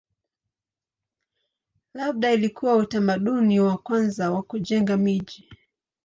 Labda ilikuwa utamaduni wa kwanza wa kujenga miji.